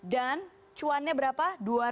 dan cuannya berapa